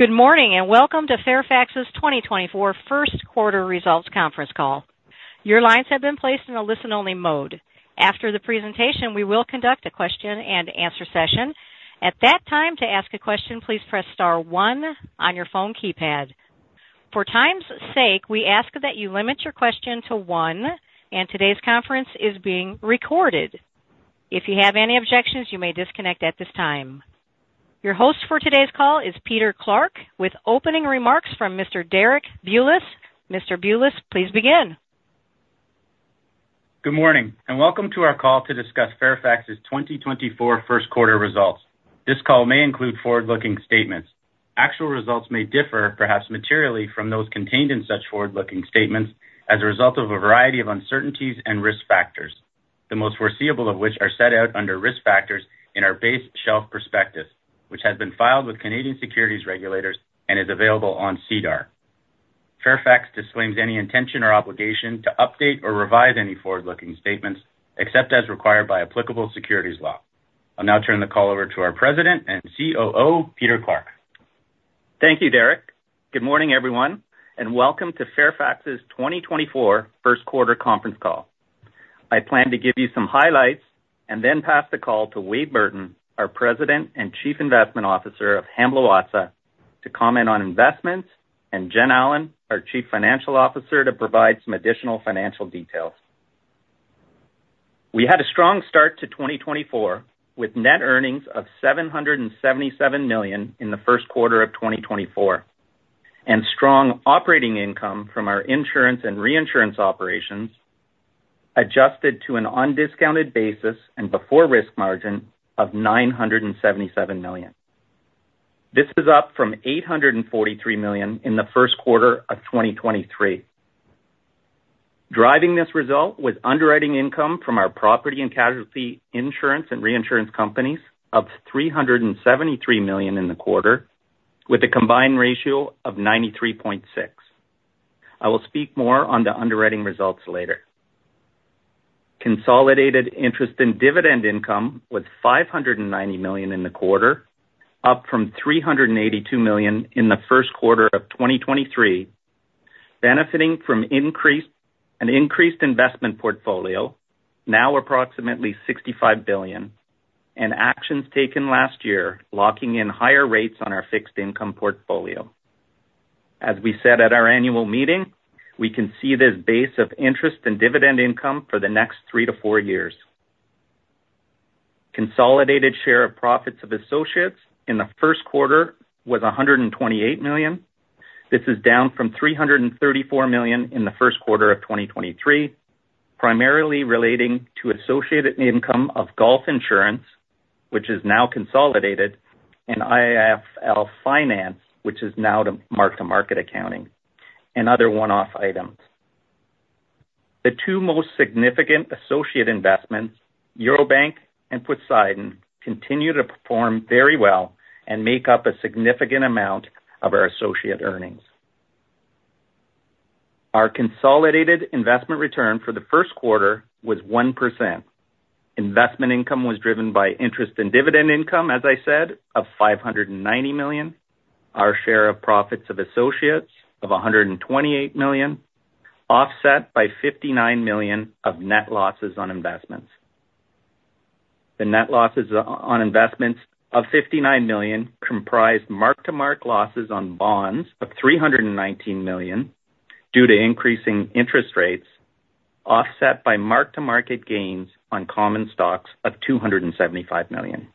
Good morning and welcome to Fairfax's 2024 first quarter results conference call. Your lines have been placed in a listen-only mode. After the presentation, we will conduct a question-and-answer session. At that time, to ask a question, please press star one on your phone keypad. For time's sake, we ask that you limit your question to one, and today's conference is being recorded. If you have any objections, you may disconnect at this time. Your host for today's call is Peter Clarke with opening remarks from Mr. Derek Bulas. Mr. Bulas, please begin. Good morning and welcome to our call to discuss Fairfax's 2024 first quarter results. This call may include forward-looking statements. Actual results may differ, perhaps materially, from those contained in such forward-looking statements as a result of a variety of uncertainties and risk factors, the most foreseeable of which are set out under risk factors in our base shelf prospectus, which has been filed with Canadian securities regulators and is available on SEDAR. Fairfax disclaims any intention or obligation to update or revise any forward-looking statements except as required by applicable securities law. I'll now turn the call over to our President and COO, Peter Clarke. Thank you, Derek. Good morning, everyone, and welcome to Fairfax's 2024 first quarter conference call. I plan to give you some highlights and then pass the call to Wade Burton, our President and Chief Investment Officer of Hamblin Watsa, to comment on investments, and Jen Allen, our Chief Financial Officer, to provide some additional financial details. We had a strong start to 2024 with net earnings of $777 million in the first quarter of 2024 and strong operating income from our insurance and reinsurance operations adjusted to an undiscounted basis and before risk margin of $977 million. This is up from $843 million in the first quarter of 2023. Driving this result was underwriting income from our property and casualty insurance and reinsurance companies of $373 million in the quarter, with a combined ratio of 93.6%. I will speak more on the underwriting results later. Consolidated interest and dividend income was $590 million in the quarter, up from $382 million in the first quarter of 2023, benefiting from an increased investment portfolio, now approximately $65 billion, and actions taken last year locking in higher rates on our fixed income portfolio. As we said at our annual meeting, we can see this base of interest and dividend income for the next three to four years. Consolidated share of profits of associates in the first quarter was $128 million. This is down from $334 million in the first quarter of 2023, primarily relating to associated income of Gulf Insurance, which is now consolidated, and IIFL Finance, which is now mark-to-market accounting, and other one-off items. The two most significant associate investments, Eurobank and Poseidon, continue to perform very well and make up a significant amount of our associate earnings. Our consolidated investment return for the first quarter was 1%. Investment income was driven by interest and dividend income, as I said, of $590 million, our share of profits of associates of $128 million, offset by $59 million of net losses on investments. The net losses on investments of $59 million comprised mark-to-market losses on bonds of $319 million due to increasing interest rates, offset by mark-to-market gains on common stocks of $275 million.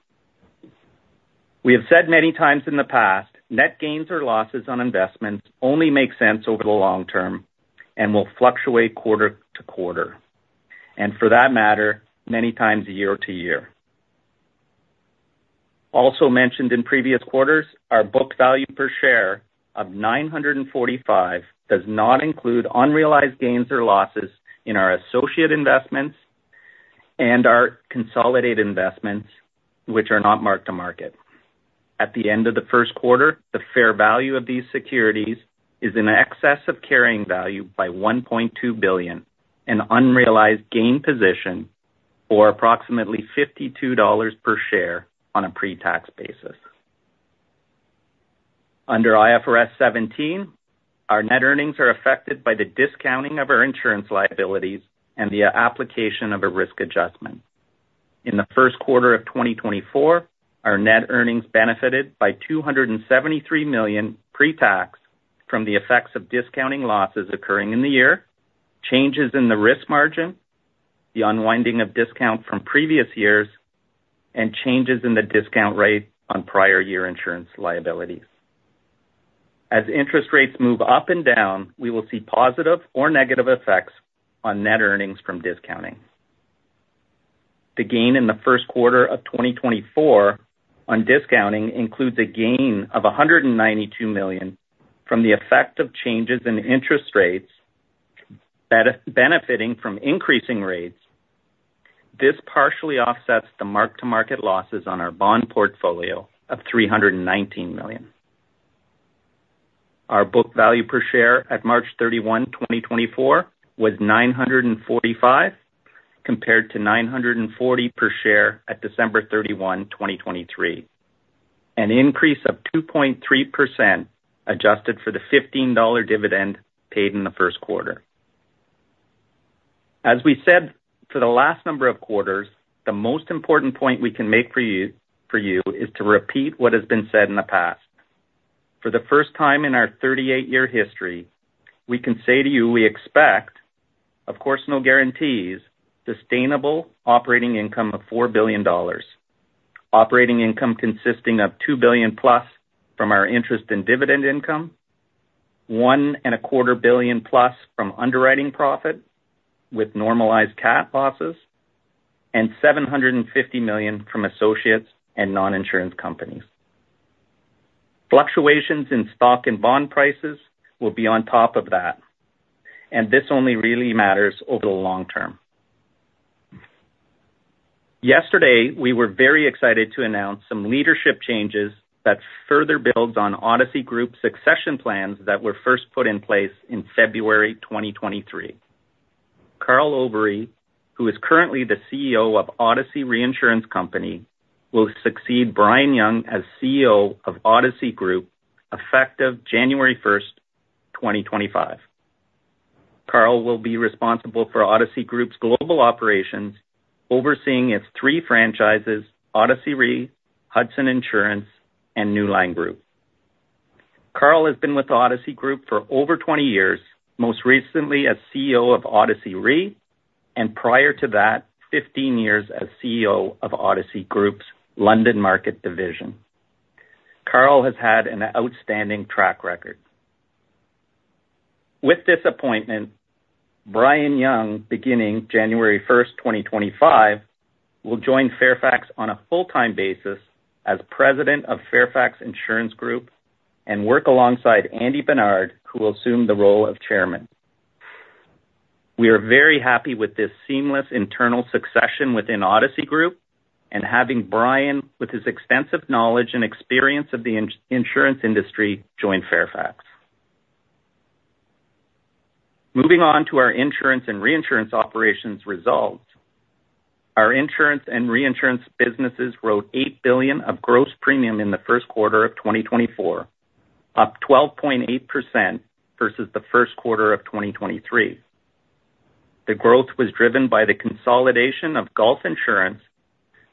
We have said many times in the past net gains or losses on investments only make sense over the long term and will fluctuate quarter to quarter, and for that matter, many times year to year. Also mentioned in previous quarters, our book value per share of $945 does not include unrealized gains or losses in our associate investments and our consolidated investments, which are not marked to market. At the end of the first quarter, the fair value of these securities is in excess of carrying value by $1.2 billion, an unrealized gain position for approximately $52 per share on a pre-tax basis. Under IFRS 17, our net earnings are affected by the discounting of our insurance liabilities and the application of a risk adjustment. In the first quarter of 2024, our net earnings benefited by $273 million pre-tax from the effects of discounting losses occurring in the year, changes in the risk margin, the unwinding of discount from previous years, and changes in the discount rate on prior year insurance liabilities. As interest rates move up and down, we will see positive or negative effects on net earnings from discounting. The gain in the first quarter of 2024 on discounting includes a gain of $192 million from the effect of changes in interest rates benefiting from increasing rates. This partially offsets the mark-to-market losses on our bond portfolio of $319 million. Our book value per share at March 31, 2024, was $945 compared to $940 per share at December 31, 2023, an increase of 2.3% adjusted for the $15 dividend paid in the first quarter. As we said for the last number of quarters, the most important point we can make for you is to repeat what has been said in the past. For the first time in our 38-year history, we can say to you we expect, of course no guarantees, sustainable operating income of $4 billion, operating income consisting of $2 billion plus from our interest and dividend income, $1.25 billion plus from underwriting profit with normalized cap losses, and $750 million from associates and non-insurance companies. Fluctuations in stock and bond prices will be on top of that, and this only really matters over the long term. Yesterday, we were very excited to announce some leadership changes that further build on Odyssey Group's succession plans that were first put in place in February 2023. Carl Overy, who is currently the CEO of OdysseyRe, will succeed Brian Young as CEO of Odyssey Group effective January 1, 2025. Carl will be responsible for Odyssey Group's global operations, overseeing its three franchises: OdysseyRe, Hudson Insurance, and Newline Group. Carl has been with Odyssey Group for over 20 years, most recently as CEO of OdysseyRe, and prior to that, 15 years as CEO of Odyssey Group's London Market Division. Carl has had an outstanding track record. With this appointment, Brian Young, beginning January 1, 2025, will join Fairfax on a full-time basis as president of Fairfax Insurance Group and work alongside Andy Barnard, who will assume the role of chairman. We are very happy with this seamless internal succession within Odyssey Group and having Brian, with his extensive knowledge and experience of the insurance industry, join Fairfax. Moving on to our insurance and reinsurance operations results, our insurance and reinsurance businesses wrote $8 billion of gross premium in the first quarter of 2024, up 12.8% versus the first quarter of 2023. The growth was driven by the consolidation of Gulf Insurance,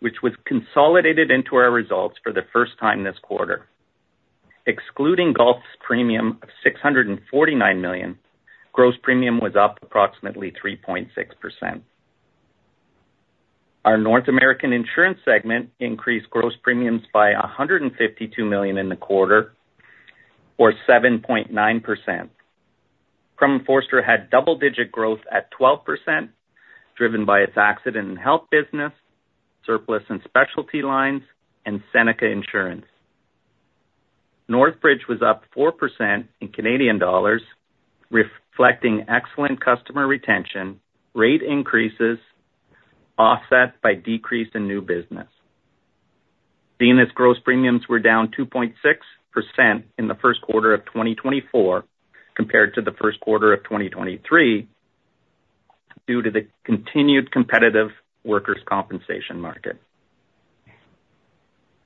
which was consolidated into our results for the first time this quarter. Excluding Gulf's premium of $649 million, gross premium was up approximately 3.6%. Our North American insurance segment increased gross premiums by $152 million in the quarter, or 7.9%. Crum & Forster had double-digit growth at 12%, driven by its accident and health business, surplus and specialty lines, and Seneca Insurance. Northbridge was up 4% in Canadian dollars, reflecting excellent customer retention, rate increases offset by decrease in new business. Zenith's gross premiums were down 2.6% in the first quarter of 2024 compared to the first quarter of 2023 due to the continued competitive workers' compensation market.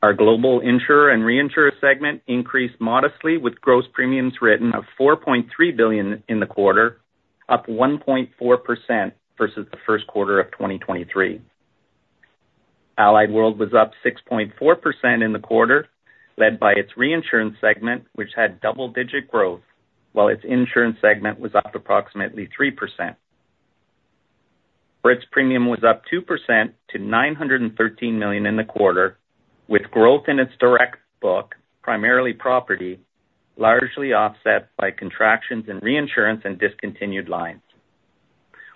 Our global insurer and reinsurer segment increased modestly, with gross premiums written of $4.3 billion in the quarter, up 1.4% versus the first quarter of 2023. Allied World was up 6.4% in the quarter, led by its reinsurance segment, which had double-digit growth, while its insurance segment was up approximately 3%. Brit's premium was up 2% to $913 million in the quarter, with growth in its direct book, primarily property, largely offset by contractions in reinsurance and discontinued lines,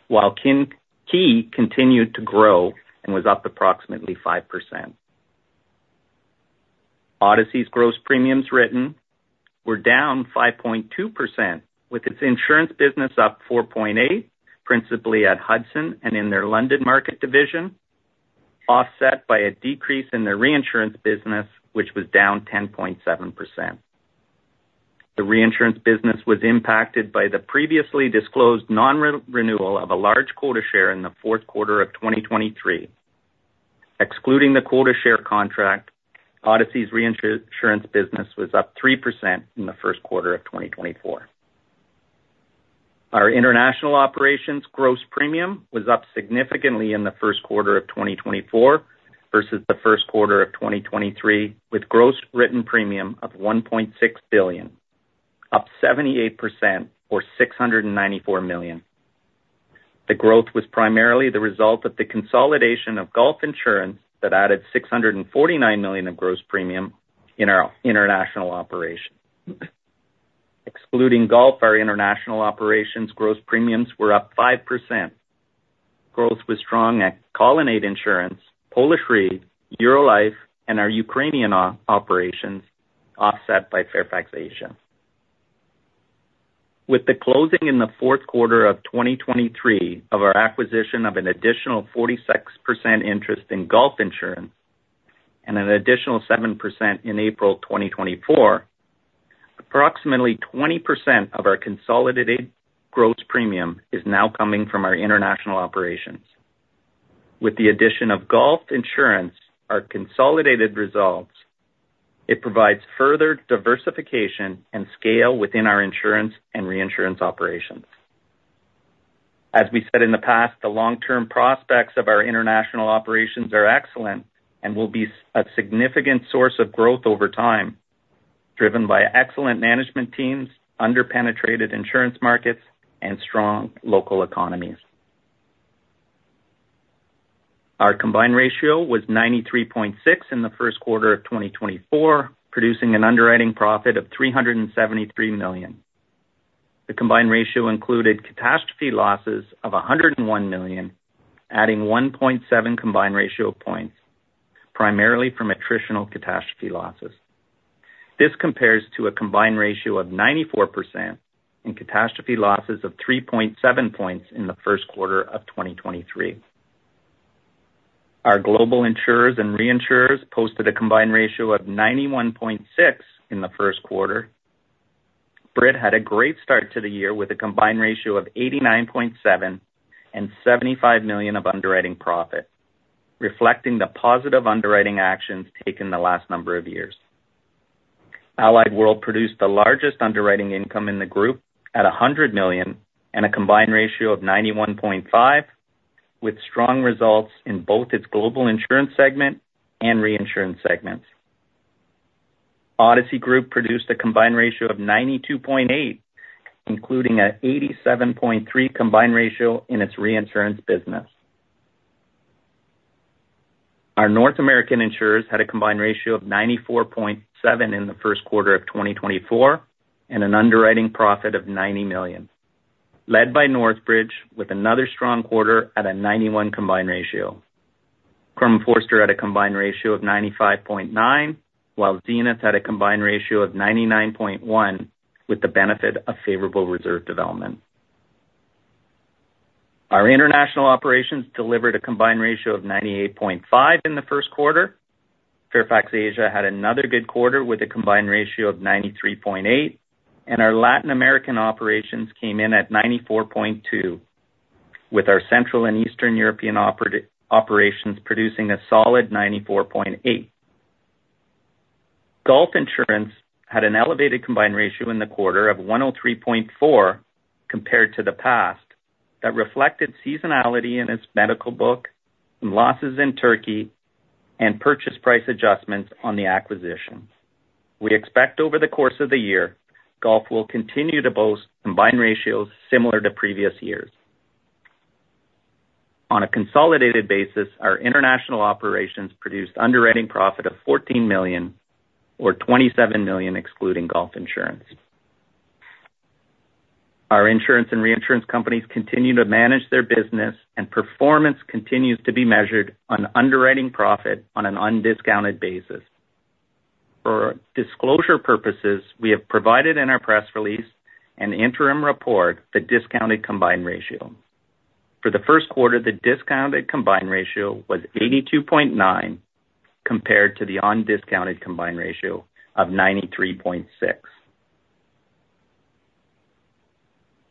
while Ki continued to grow and was up approximately 5%. Odyssey's gross premiums written were down 5.2%, with its insurance business up 4.8%, principally at Hudson and in their London Market Division, offset by a decrease in their reinsurance business, which was down 10.7%. The reinsurance business was impacted by the previously disclosed non-renewal of a large quota share in the fourth quarter of 2023. Excluding the quota share contract, Odyssey's reinsurance business was up 3% in the first quarter of 2024. Our international operations gross premium was up significantly in the first quarter of 2024 versus the first quarter of 2023, with gross written premium of $1.6 billion, up 78%, or $694 million. The growth was primarily the result of the consolidation of Gulf Insurance that added $649 million of gross premium in our international operations. Excluding Gulf, our international operations gross premiums were up 5%. Growth was strong at Colonnade Insurance, Polish Re, Eurolife, and our Ukrainian operations, offset by Fairfax Asia. With the closing in the fourth quarter of 2023 of our acquisition of an additional 46% interest in Gulf Insurance and an additional 7% in April 2024, approximately 20% of our consolidated gross premium is now coming from our international operations. With the addition of Gulf Insurance, our consolidated results, it provides further diversification and scale within our insurance and reinsurance operations. As we said in the past, the long-term prospects of our international operations are excellent and will be a significant source of growth over time, driven by excellent management teams, under-penetrated insurance markets, and strong local economies. Our combined ratio was 93.6% in the first quarter of 2024, producing an underwriting profit of $373 million. The combined ratio included catastrophe losses of $101 million, adding 1.7 combined ratio points, primarily from attritional catastrophe losses. This compares to a combined ratio of 94% and catastrophe losses of 3.7 points in the first quarter of 2023. Our global insurers and reinsurers posted a combined ratio of 91.6% in the first quarter. Brit had a great start to the year with a combined ratio of 89.7% and $75 million of underwriting profit, reflecting the positive underwriting actions taken the last number of years. Allied World produced the largest underwriting income in the group at $100 million and a combined ratio of 91.5%, with strong results in both its global insurance segment and reinsurance segments. Odyssey Group produced a combined ratio of 92.8%, including an 87.3% combined ratio in its reinsurance business. Our North American insurers had a combined ratio of 94.7% in the first quarter of 2024 and an underwriting profit of $90 million, led by Northbridge with another strong quarter at a 91% combined ratio. Crum & Forster had a combined ratio of 95.9%, while Zenith had a combined ratio of 99.1%, with the benefit of favorable reserve development. Our international operations delivered a combined ratio of 98.5% in the first quarter. Fairfax Asia had another good quarter with a combined ratio of 93.8%, and our Latin American operations came in at 94.2%, with our Central and Eastern European operations producing a solid 94.8%. Gulf Insurance had an elevated combined ratio in the quarter of 103.4% compared to the past that reflected seasonality in its medical book, losses in Turkey, and purchase price adjustments on the acquisition. We expect, over the course of the year, Gulf will continue to boast combined ratios similar to previous years. On a consolidated basis, our international operations produced underwriting profit of $14 million, or $27 million excluding Gulf Insurance. Our insurance and reinsurance companies continue to manage their business, and performance continues to be measured on underwriting profit on an undiscounted basis. For disclosure purposes, we have provided in our press release and interim report the discounted combined ratio. For the first quarter, the discounted combined ratio was 82.9% compared to the undiscounted combined ratio of 93.6%.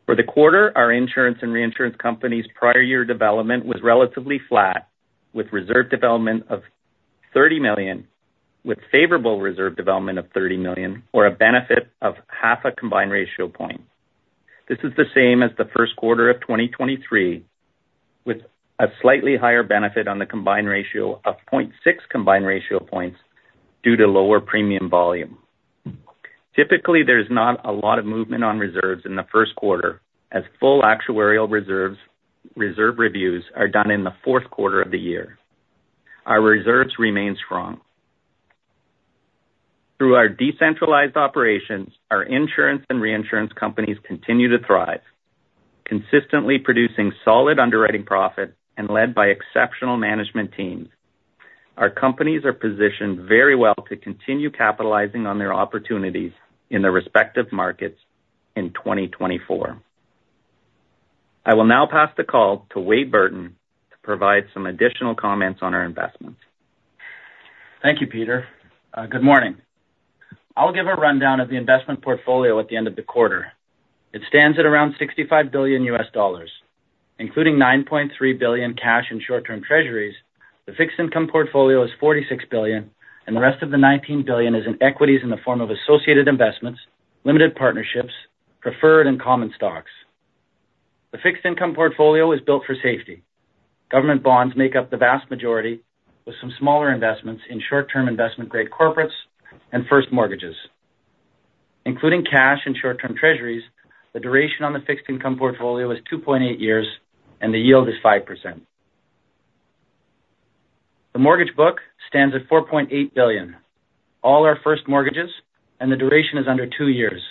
For the quarter, our insurance and reinsurance companies' prior year development was relatively flat, with reserve development of $30 million, with favorable reserve development of $30 million, or a benefit of 0.5 combined ratio point. This is the same as the first quarter of 2023, with a slightly higher benefit on the combined ratio of 0.6 combined ratio points due to lower premium volume. Typically, there is not a lot of movement on reserves in the first quarter, as full actuarial reserve reviews are done in the fourth quarter of the year. Our reserves remain strong. Through our decentralized operations, our insurance and reinsurance companies continue to thrive, consistently producing solid underwriting profit and led by exceptional management teams. Our companies are positioned very well to continue capitalizing on their opportunities in their respective markets in 2024. I will now pass the call to Wade Burton to provide some additional comments on our investments. Thank you, Peter. Good morning. I'll give a rundown of the investment portfolio at the end of the quarter. It stands at around $65 billion. Including $9.3 billion cash in short-term treasuries, the fixed income portfolio is $46 billion, and the rest of the $19 billion is in equities in the form of associated investments, limited partnerships, preferred, and common stocks. The fixed income portfolio is built for safety. Government bonds make up the vast majority, with some smaller investments in short-term investment-grade corporates and first mortgages. Including cash and short-term treasuries, the duration on the fixed income portfolio is 2.8 years, and the yield is 5%. The mortgage book stands at $4.8 billion, all our first mortgages, and the duration is under two years.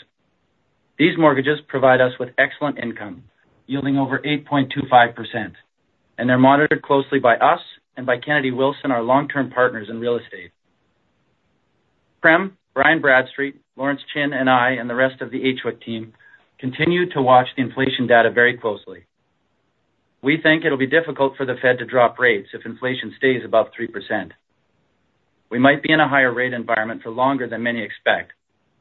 These mortgages provide us with excellent income, yielding over 8.25%, and they're monitored closely by us and by Kennedy Wilson, our long-term partners in real estate. Prem, Brian Bradstreet, Lawrence Chin, and I, and the rest of the HWIC team continue to watch the inflation data very closely. We think it'll be difficult for the Fed to drop rates if inflation stays above 3%. We might be in a higher-rate environment for longer than many expect,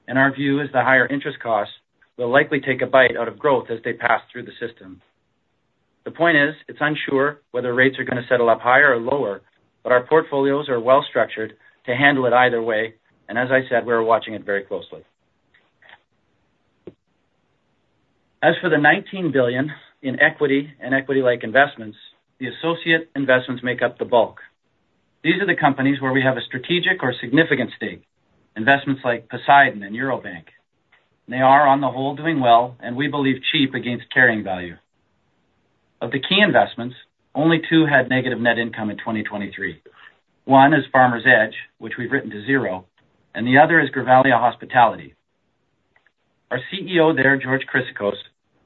and our view is the higher interest costs will likely take a bite out of growth as they pass through the system. The point is, it's unsure whether rates are going to settle up higher or lower, but our portfolios are well-structured to handle it either way, and as I said, we're watching it very closely. As for the $19 billion in equity and equity-like investments, the associate investments make up the bulk. These are the companies where we have a strategic or significant stake, investments like Poseidon and Eurobank. They are, on the whole, doing well, and we believe cheap against carrying value. Of the key investments, only two had negative net income in 2023. One is Farmers Edge, which we've written to zero, and the other is Grivalia Hospitality. Our CEO there, George Chryssikos,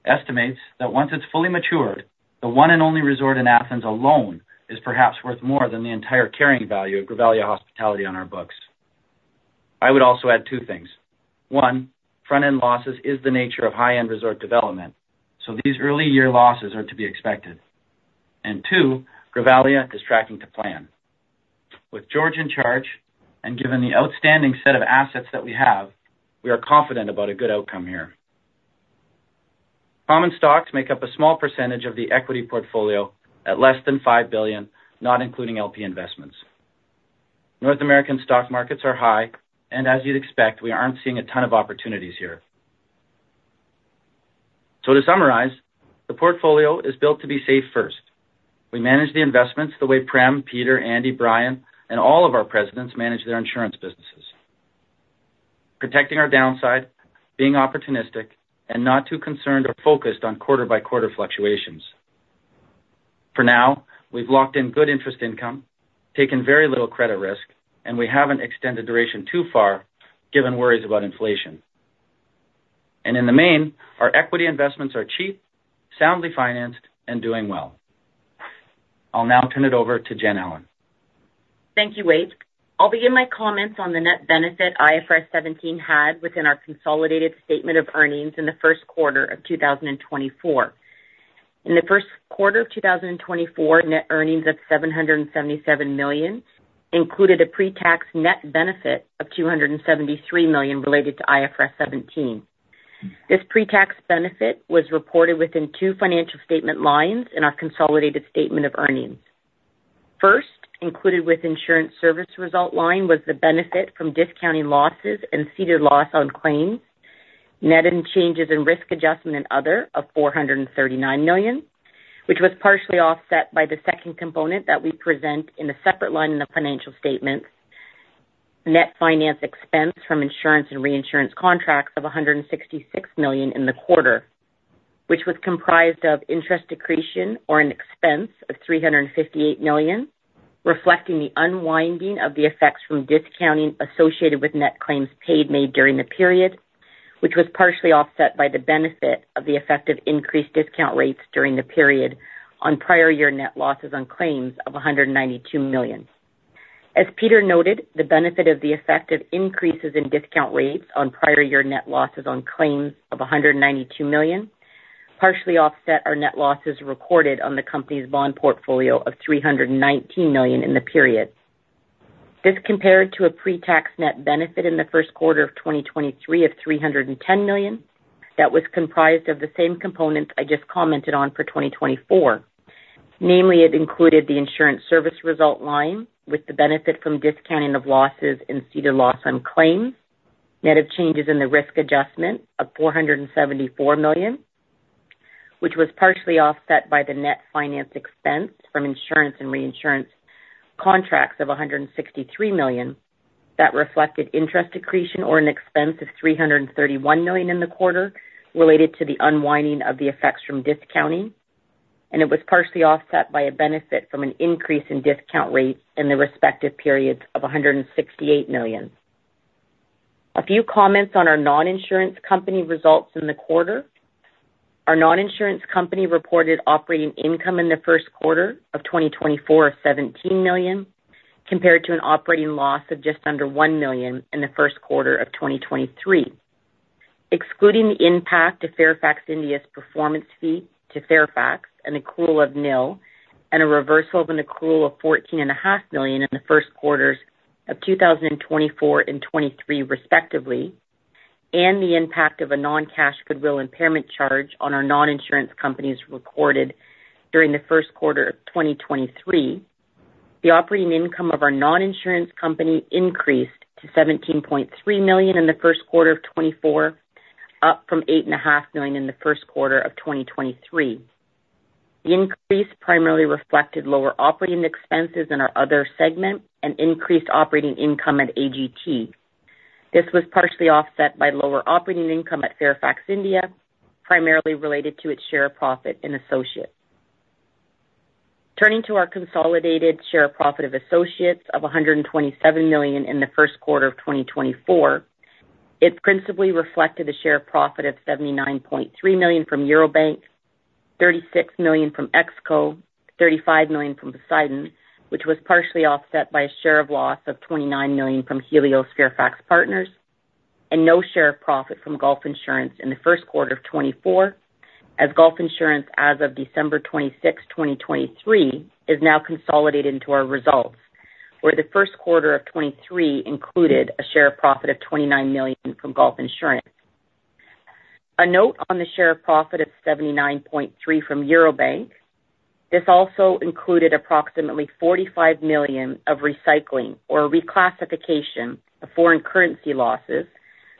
estimates that once it's fully matured, the One&Only resort in Athens alone is perhaps worth more than the entire carrying value of Grivalia Hospitality on our books. I would also add two things. One, front-end losses is the nature of high-end resort development, so these early-year losses are to be expected. And two, Grivalia is tracking to plan. With George in charge and given the outstanding set of assets that we have, we are confident about a good outcome here. Common stocks make up a small percentage of the equity portfolio at less than $5 billion, not including LP investments. North American stock markets are high, and as you'd expect, we aren't seeing a ton of opportunities here. So to summarize, the portfolio is built to be safe first. We manage the investments the way Prem, Peter, Andy, Brian, and all of our presidents manage their insurance businesses: protecting our downside, being opportunistic, and not too concerned or focused on quarter-by-quarter fluctuations. For now, we've locked in good interest income, taken very little credit risk, and we haven't extended duration too far given worries about inflation. And in the main, our equity investments are cheap, soundly financed, and doing well. I'll now turn it over to Jen Allen. Thank you, Wade. I'll begin my comments on the net benefit IFRS 17 had within our consolidated statement of earnings in the first quarter of 2024. In the first quarter of 2024, net earnings of $777 million included a pre-tax net benefit of $273 million related to IFRS 17. This pre-tax benefit was reported within two financial statement lines in our consolidated statement of earnings. First, included with insurance service result line was the benefit from discounting losses and ceded loss on claims, net changes in risk adjustment and other of $439 million, which was partially offset by the second component that we present in a separate line in the financial statements: net finance expense from insurance and reinsurance contracts of $166 million in the quarter, which was comprised of interest accretion, an expense of $358 million, reflecting the unwinding of the effects from discounting associated with net claims paid made during the period, which was partially offset by the benefit of the effect of increased discount rates during the period on prior year net losses on claims of $192 million. As Peter noted, the benefit of the effect of increases in discount rates on prior year net losses on claims of $192 million partially offset our net losses recorded on the company's bond portfolio of $319 million in the period. This compared to a pre-tax net benefit in the first quarter of 2023 of $310 million that was comprised of the same components I just commented on for 2024. Namely, it included the insurance service result line with the benefit from discounting of losses and ceded loss on claims, net of changes in the risk adjustment of $474 million, which was partially offset by the net finance expense from insurance and reinsurance contracts of $163 million that reflected interest accretion, an expense of $331 million in the quarter related to the unwinding of the effects from discounting, and it was partially offset by a benefit from an increase in discount rates in the respective periods of $168 million. A few comments on our non-insurance company results in the quarter. Our non-insurance company reported operating income in the first quarter of 2024 of $17 million compared to an operating loss of just under $1 million in the first quarter of 2023, excluding the impact of Fairfax India's performance fee to Fairfax and accrual of nil and a reversal of an accrual of $14.5 million in the first quarters of 2024 and 2023, respectively, and the impact of a non-cash goodwill impairment charge on our non-insurance companies recorded during the first quarter of 2023. The operating income of our non-insurance company increased to $17.3 million in the first quarter of 2024, up from $8.5 million in the first quarter of 2023. The increase primarily reflected lower operating expenses in our other segment and increased operating income at AGT. This was partially offset by lower operating income at Fairfax India, primarily related to its share of profit in associates. Turning to our consolidated share of profit of associates of $127 million in the first quarter of 2024, it principally reflected a share of profit of $79.3 million from Eurobank, $36 million from EXCO, $35 million from Poseidon, which was partially offset by a share of loss of $29 million from Helios Fairfax Partners, and no share of profit from Gulf Insurance in the first quarter of 2024, as Gulf Insurance, as of December 26, 2023, is now consolidated into our results, where the first quarter of 2023 included a share of profit of $29 million from Gulf Insurance. A note on the share of profit of $79.3 million from Eurobank, this also included approximately $45 million of recycling or reclassification of foreign currency losses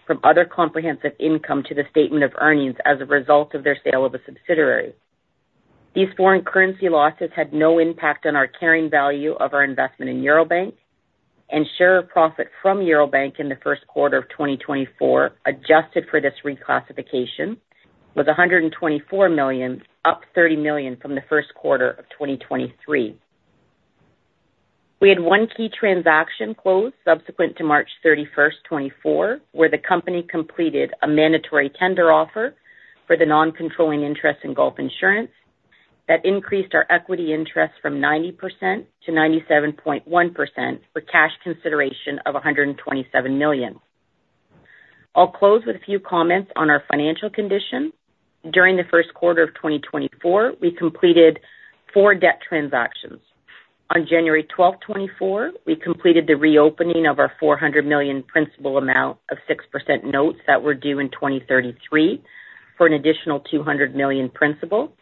from other comprehensive income to the statement of earnings as a result of their sale of a subsidiary. These foreign currency losses had no impact on our carrying value of our investment in Eurobank, and share of profit from Eurobank in the first quarter of 2024 adjusted for this reclassification was $124 million, up $30 million from the first quarter of 2023. We had one key transaction closed subsequent to March 31, 2024, where the company completed a mandatory tender offer for the non-controlling interest in Gulf Insurance that increased our equity interest from 90%-97.1% for cash consideration of $127 million. I'll close with a few comments on our financial condition. During the first quarter of 2024, we completed four debt transactions. On January 12, 2024, we completed the reopening of our $400 million principal amount of 6% notes that were due in 2033 for an additional $200 million principal.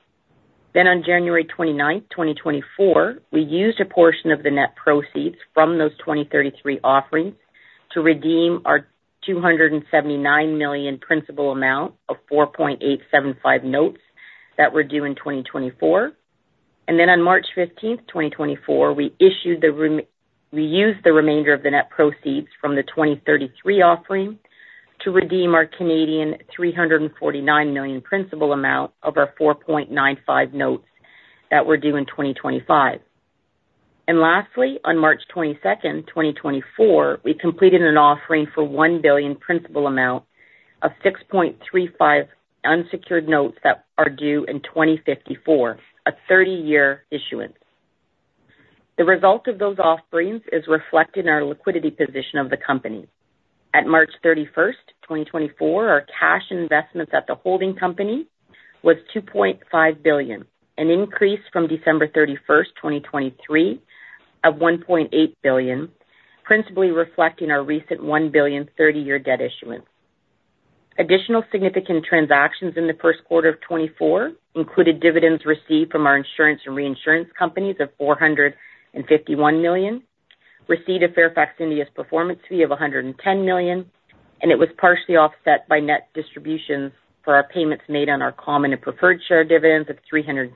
Then on January 29, 2024, we used a portion of the net proceeds from those 2033 offerings to redeem our $279 million principal amount of 4.875 notes that were due in 2024. And then on March 15, 2024, we used the remainder of the net proceeds from the 2033 offering to redeem our 349 million Canadian dollars principal amount of our 4.95 notes that were due in 2025. And lastly, on March 22, 2024, we completed an offering for $1 billion principal amount of 6.35 unsecured notes that are due in 2054, a 30-year issuance. The result of those offerings is reflected in our liquidity position of the company. At March 31, 2024, our cash investments at the holding company was $2.5 billion, an increase from December 31, 2023, of $1.8 billion, principally reflecting our recent $1 billion 30-year debt issuance. Additional significant transactions in the first quarter of 2024 included dividends received from our insurance and reinsurance companies of $451 million, receipt of Fairfax India's performance fee of $110 million, and it was partially offset by net distributions for our payments made on our common and preferred share dividends of $376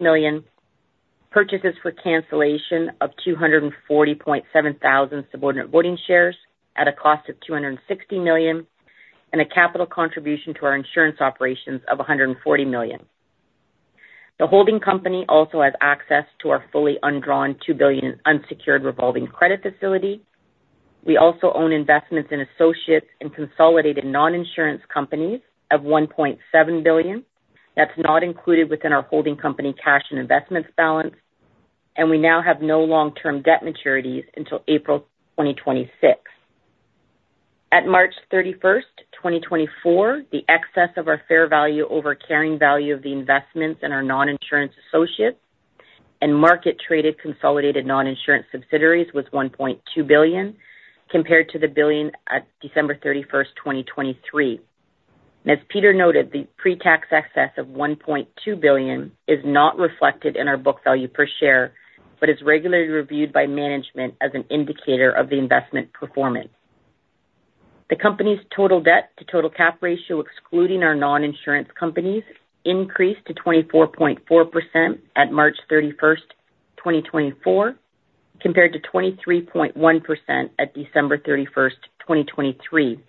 million, purchases for cancellation of 240,700 subordinated voting shares at a cost of $260 million, and a capital contribution to our insurance operations of $140 million. The holding company also has access to our fully undrawn $2 billion unsecured revolving credit facility. We also own investments in associates and consolidated non-insurance companies of $1.7 billion. That's not included within our holding company cash and investments balance, and we now have no long-term debt maturities until April 2026. At March 31, 2024, the excess of our fair value over carrying value of the investments in our non-insurance associates and market-traded consolidated non-insurance subsidiaries was $1.2 billion compared to the $1 billion at December 31, 2023. And as Peter noted, the pre-tax excess of $1.2 billion is not reflected in our book value per share but is regularly reviewed by management as an indicator of the investment performance. The company's total debt-to-total-cap ratio, excluding our non-insurance companies, increased to 24.4% at March 31, 2024, compared to 23.1% at December 31, 2023,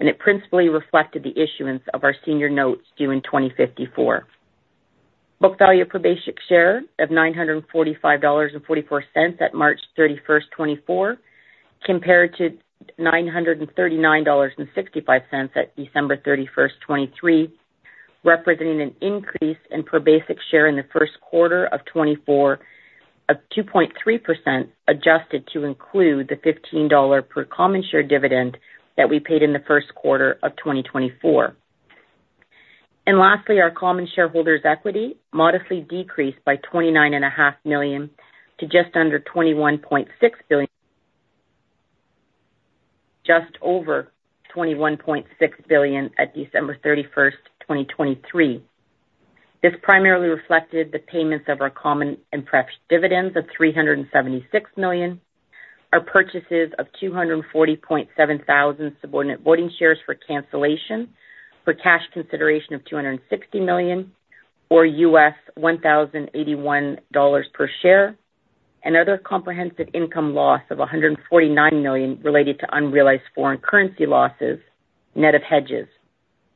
and it principally reflected the issuance of our senior notes due in 2054. Book value per share of $945.44 at March 31, 2024, compared to $939.65 at December 31, 2023, representing an increase in per share in the first quarter of 2024 of 2.3% adjusted to include the $15 per common share dividend that we paid in the first quarter of 2024. Lastly, our common shareholders' equity modestly decreased by $29.5 million to just under $21.6 billion, just over $21.6 billion at December 31, 2023. This primarily reflected the payments of our common and preferred dividends of $376 million, our purchases of 240,700 subordinated voting shares for cancellation for cash consideration of $260 million, or $1,081 per share, and other comprehensive income loss of $149 million related to unrealized foreign currency losses, net of hedges.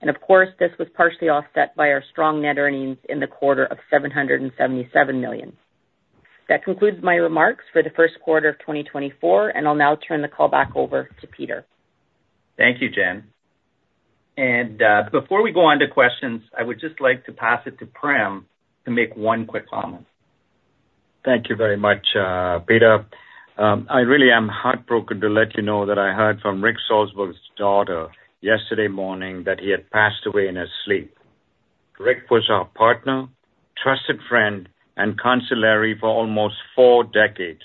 Of course, this was partially offset by our strong net earnings in the quarter of $777 million. That concludes my remarks for the first quarter of 2024, and I'll now turn the call back over to Peter. Thank you, Jen. Before we go on to questions, I would just like to pass it to Prem to make one quick comment. Thank you very much, Peter. I really am heartbroken to let you know that I heard from Rick Salsberg's daughter yesterday morning that he had passed away in his sleep. Rick was our partner, trusted friend, and consigliere for almost four decades.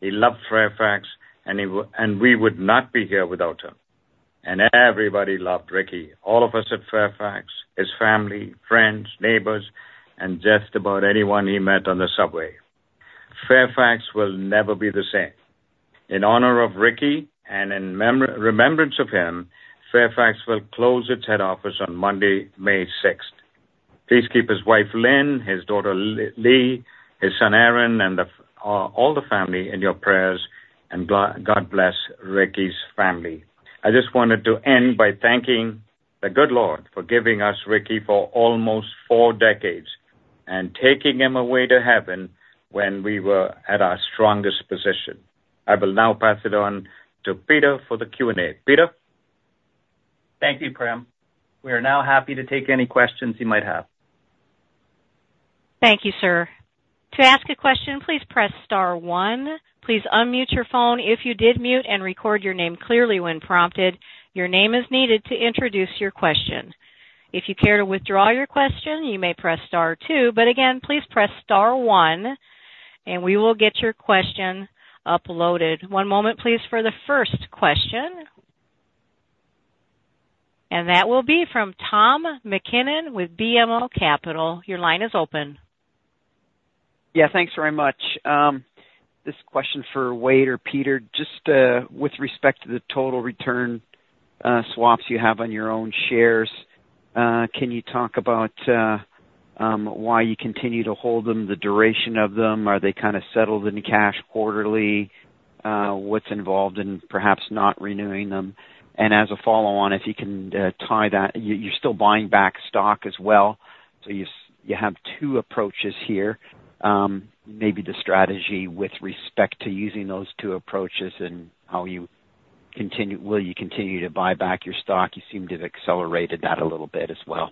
He loved Fairfax, and we would not be here without her. And everybody loved Ricky, all of us at Fairfax, his family, friends, neighbors, and just about anyone he met on the subway. Fairfax will never be the same. In honor of Ricky and in remembrance of him, Fairfax will close its head office on Monday, May 6th. Please keep his wife, Lynne, his daughter, Leigh, his son, Aaron, and all the family in your prayers, and God bless Ricky's family. I just wanted to end by thanking the good Lord for giving us Ricky for almost four decades and taking him away to heaven when we were at our strongest position. I will now pass it on to Peter for the Q&A. Peter? Thank you, Prem. We are now happy to take any questions you might have. Thank you, sir. To ask a question, please press star one. Please unmute your phone if you did mute and record your name clearly when prompted. Your name is needed to introduce your question. If you care to withdraw your question, you may press star two. But again, please press star one, and we will get your question uploaded. One moment, please, for the first question. And that will be from Tom MacKinnon with BMO Capital. Your line is open. Yeah, thanks very much. This question for Wade or Peter. Just with respect to the total return swaps you have on your own shares, can you talk about why you continue to hold them, the duration of them? Are they kind of settled in cash quarterly? What's involved in perhaps not renewing them? And as a follow-on, if you can tie that, you're still buying back stock as well. So you have two approaches here. Maybe the strategy with respect to using those two approaches and how you continue will you continue to buy back your stock? You seem to have accelerated that a little bit as well.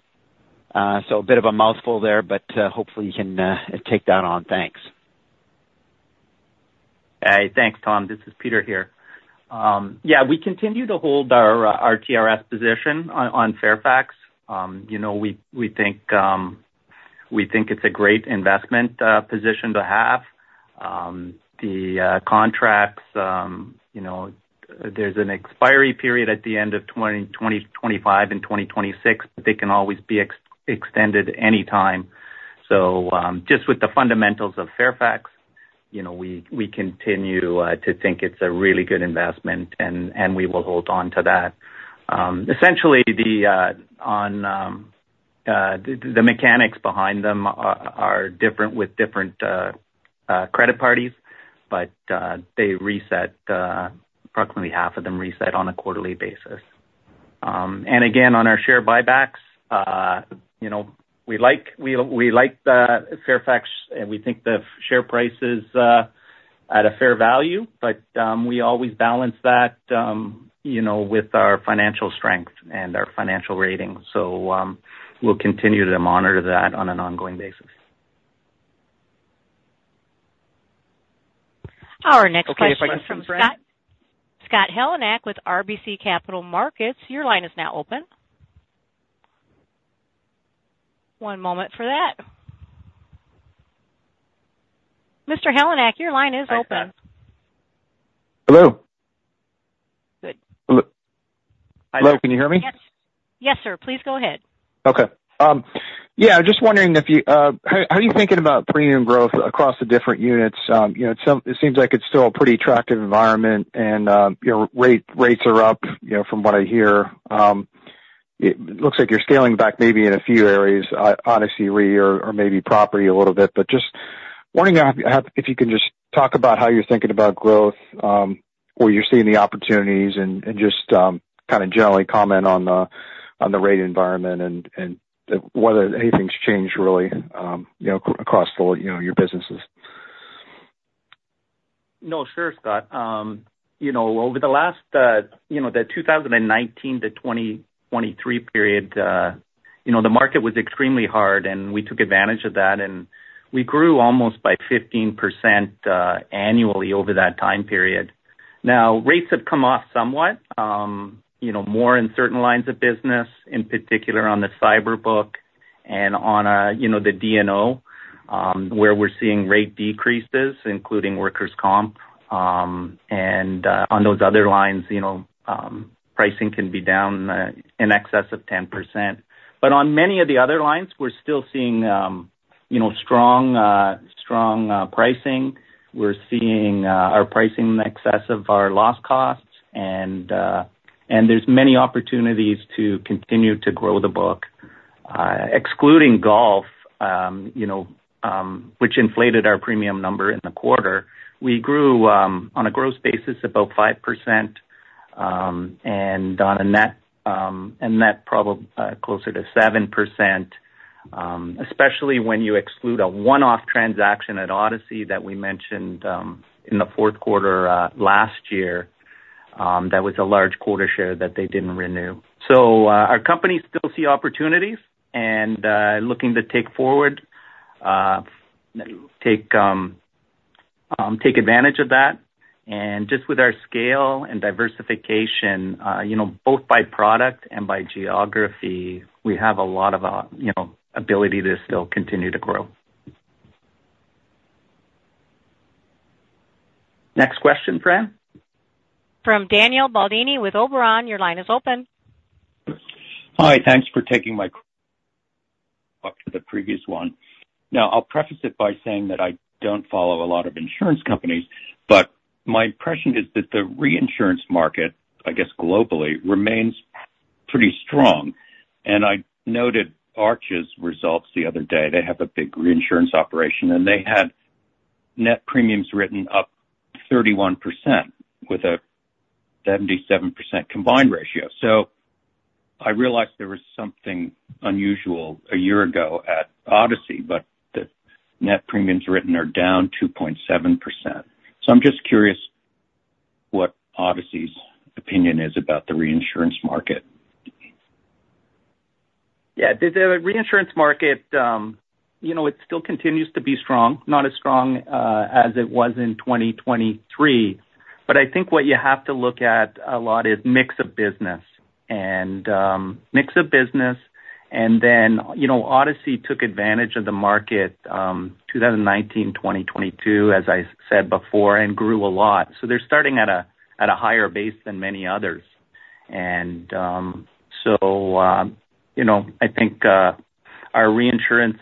So a bit of a mouthful there, but hopefully you can take that on. Thanks. Hey, thanks, Tom. This is Peter here. Yeah, we continue to hold our TRS position on Fairfax. We think it's a great investment position to have. The contracts, there's an expiry period at the end of 2025 and 2026, but they can always be extended anytime. So just with the fundamentals of Fairfax, we continue to think it's a really good investment, and we will hold on to that. Essentially, the mechanics behind them are different with different credit parties, but approximately half of them reset on a quarterly basis. Again, on our share buybacks, we like Fairfax, and we think the share price is at a fair value, but we always balance that with our financial strength and our financial rating. So we'll continue to monitor that on an ongoing basis. Our next question from Scott Heleniak with RBC Capital Markets. Your line is now open. One moment for that. Mr. Heleniak, your line is open. Hello. Good. Hello. Can you hear me? Yes, sir. Please go ahead. Okay. Yeah, I'm just wondering how are you thinking about premium growth across the different units? It seems like it's still a pretty attractive environment, and rates are up from what I hear. It looks like you're scaling back maybe in a few areas, OdysseyRe, or maybe property a little bit. But just wondering if you can just talk about how you're thinking about growth or you're seeing the opportunities and just kind of generally comment on the rate environment and whether anything's changed, really, across your businesses. No, sure, Scott. Over the last 2019 to 2023 period, the market was extremely hard, and we took advantage of that, and we grew almost by 15% annually over that time period. Now, rates have come off somewhat, more in certain lines of business, in particular on the cyber book and on the D&O, where we're seeing rate decreases, including workers' comp. And on those other lines, pricing can be down in excess of 10%. But on many of the other lines, we're still seeing strong pricing. We're seeing our pricing in excess of our lost costs, and there's many opportunities to continue to grow the book. Excluding Gulf, which inflated our premium number in the quarter, we grew on a growth basis of about 5% and on a net closer to 7%, especially when you exclude a one-off transaction at Odyssey that we mentioned in the fourth quarter last year. That was a large quota share that they didn't renew. So our companies still see opportunities and looking to take forward, take advantage of that. And just with our scale and diversification, both by product and by geography, we have a lot of ability to still continue to grow. Next question, Prem. From Daniel Baldini with Oberon, your line is open. Hi. Thanks for taking my call back to the previous one. Now, I'll preface it by saying that I don't follow a lot of insurance companies, but my impression is that the reinsurance market, I guess, globally, remains pretty strong. I noted Arch's results the other day. They have a big reinsurance operation, and they had net premiums written up 31% with a 77% combined ratio. So I realized there was something unusual a year ago at Odyssey, but the net premiums written are down 2.7%. So I'm just curious what Odyssey's opinion is about the reinsurance market. Yeah, the reinsurance market, it still continues to be strong, not as strong as it was in 2023. But I think what you have to look at a lot is mix of business. And mix of business. And then Odyssey took advantage of the market 2019, 2022, as I said before, and grew a lot. So they're starting at a higher base than many others. And so I think our reinsurance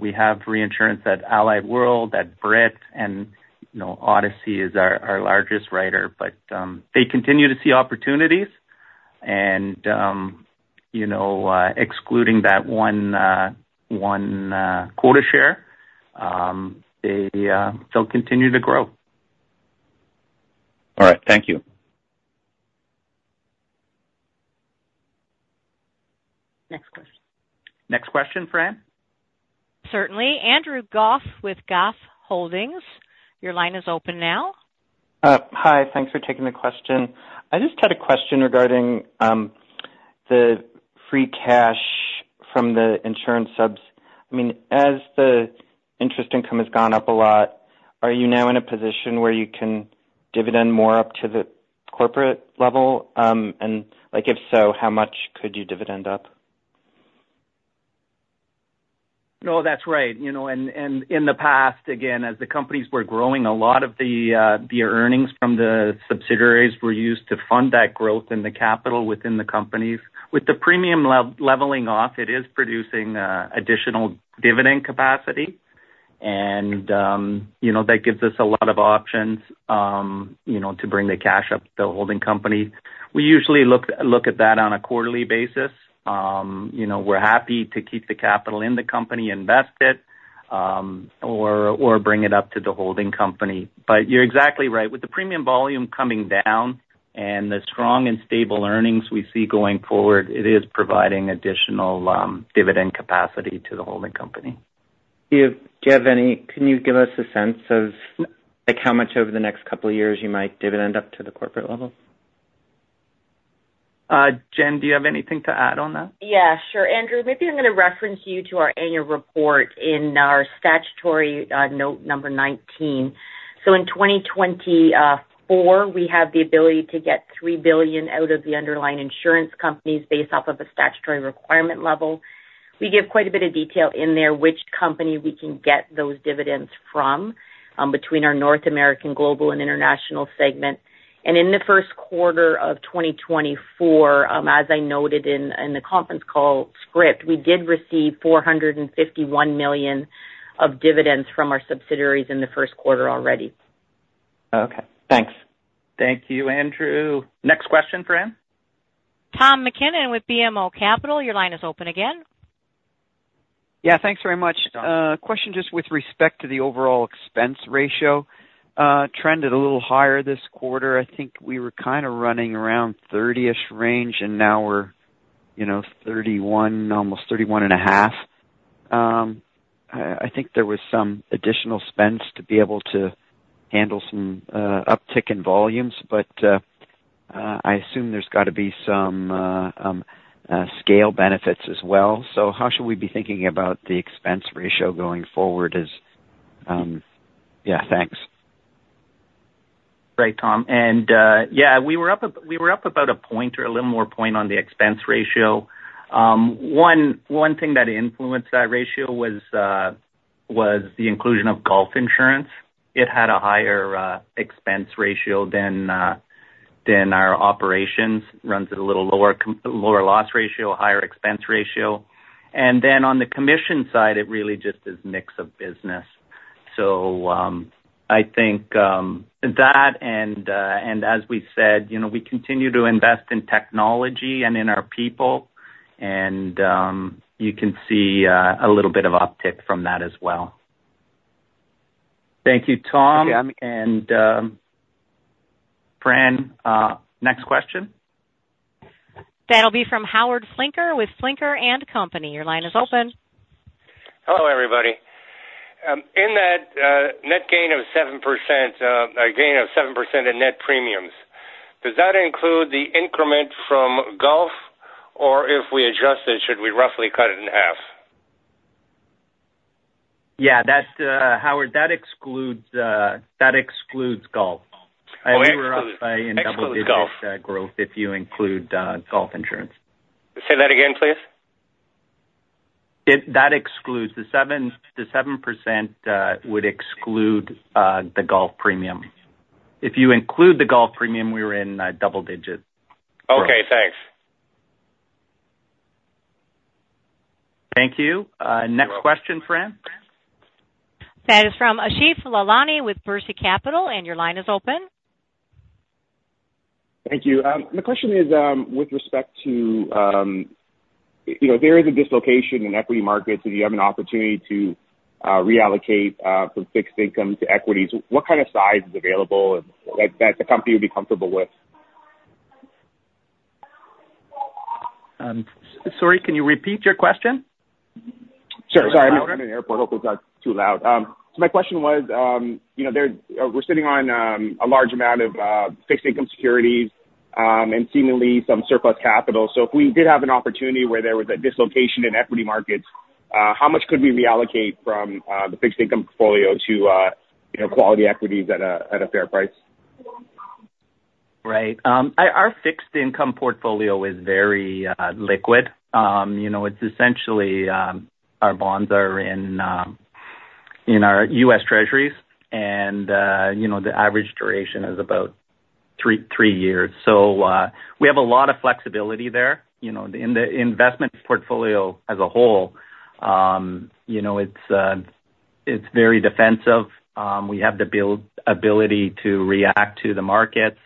we have reinsurance at Allied World, at Brit, and Odyssey is our largest writer. But they continue to see opportunities. And excluding that one quota share, they still continue to grow. All right. Thank you. Next question. Next question, Prem. Certainly. Andrew Goffe with Goffe Holdings. Your line is open now. Hi. Thanks for taking the question. I just had a question regarding the free cash from the insurance subs. I mean, as the interest income has gone up a lot, are you now in a position where you can dividend more up to the corporate level? And if so, how much could you dividend up? No, that's right. In the past, again, as the companies were growing, a lot of the earnings from the subsidiaries were used to fund that growth in the capital within the companies. With the premium leveling off, it is producing additional dividend capacity, and that gives us a lot of options to bring the cash up to the holding company. We usually look at that on a quarterly basis. We're happy to keep the capital in the company, invest it, or bring it up to the holding company. But you're exactly right. With the premium volume coming down and the strong and stable earnings we see going forward, it is providing additional dividend capacity to the holding company. Can you give us a sense of how much over the next couple of years you might dividend up to the corporate level? Jen, do you have anything to add on that? Yeah, sure. Andrew, maybe I'm going to reference you to our annual report in our statutory note number 19. So in 2024, we have the ability to get $3 billion out of the underlying insurance companies based off of a statutory requirement level. We give quite a bit of detail in there which company we can get those dividends from between our North American global and international segment. And in the first quarter of 2024, as I noted in the conference call script, we did receive $451 million of dividends from our subsidiaries in the first quarter already. Okay. Thanks. Thank you, Andrew. Next question, Prem. Tom MacKinnon with BMO Capital. Your line is open again. Yeah, thanks very much. Question just with respect to the overall expense ratio. Trended a little higher this quarter. I think we were kind of running around 30%-ish range, and now we're 31%, almost 31.5%. I think there was some additional spends to be able to handle some uptick in volumes, but I assume there's got to be some scale benefits as well. So how should we be thinking about the expense ratio going forward? Yeah, thanks. Great, Tom. And yeah, we were up about a point or a little more point on the expense ratio. One thing that influenced that ratio was the inclusion of Gulf Insurance. It had a higher expense ratio than our operations. Runs at a little lower loss ratio, higher expense ratio. And then on the commission side, it really just is mix of business. So I think that and as we said, we continue to invest in technology and in our people, and you can see a little bit of uptick from that as well. Thank you, Tom. And Prem, next question. That'll be from Howard Flinker with Flinker & Co. Your line is open. Hello, everybody. In that net gain of 7%, a gain of 7% in net premiums, does that include the increment from Gulf, or if we adjust it, should we roughly cut it in half? Yeah, Howard, that excludes Gulf. And we were up by in double digits growth if you include Gulf Insurance. Say that again, please. That excludes the 7%. Would exclude the Gulf premium. If you include the Gulf premium, we were in double digits. Okay, thanks. Thank you. Next question, Prem. That is from Asheef Lalani with Berczy Capital, and your line is open. Thank you. My question is with respect to there is a dislocation in equity markets, and you have an opportunity to reallocate from fixed income to equities. What kind of size is available that the company would be comfortable with? Sorry, can you repeat your question? Sure. Sorry, I'm in the airport. Hopefully, it's not too loud. So my question was, we're sitting on a large amount of fixed income securities and seemingly some surplus capital. So if we did have an opportunity where there was a dislocation in equity markets, how much could we reallocate from the fixed income portfolio to quality equities at a fair price? Right. Our fixed income portfolio is very liquid. It's essentially our bonds are in our U.S. Treasuries, and the average duration is about three years. So we have a lot of flexibility there. In the investment portfolio as a whole, it's very defensive. We have the ability to react to the markets,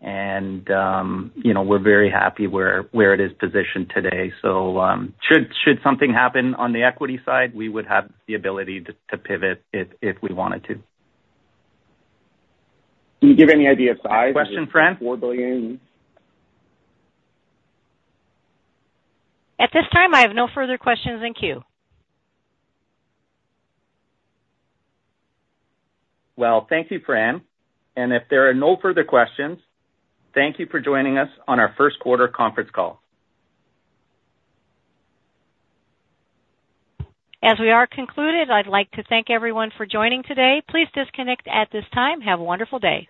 and we're very happy where it is positioned today. So should something happen on the equity side, we would have the ability to pivot if we wanted to. Can you give any idea of size? Question, Prem? $4 billion? At this time, I have no further questions in queue. Well, thank you, Prem. If there are no further questions, thank you for joining us on our first quarter conference call. As we conclude, I'd like to thank everyone for joining today. Please disconnect at this time. Have a wonderful day.